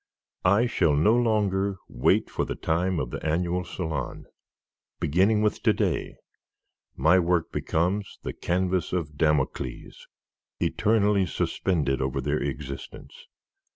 I shall no longer wait for the time of the annual Salon. Beginning with to day, my work becomes the canvas of Damocles, eternally suspended over their existence.